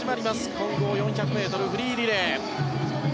混合４００ｍフリーリレー。